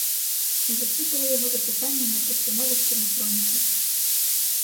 Ми засипали його запитаннями про становище на фронті.